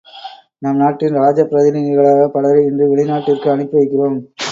நம் நாட்டின் ராஜப் பிரதிநிதிகளாக பலரை இன்று வெளி நாட்டிற்கு அனுப்பி வைக்கிறோம்.